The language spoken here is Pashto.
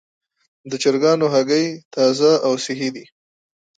د چرګانو هګۍ تازه او صحي دي.